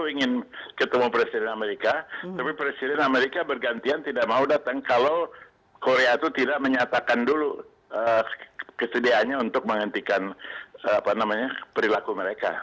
saya ingin ketemu presiden amerika tapi presiden amerika bergantian tidak mau datang kalau korea itu tidak menyatakan dulu kesediaannya untuk menghentikan perilaku mereka